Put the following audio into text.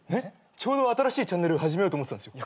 ちょうど新しいチャンネル始めようと思ってたんすよ。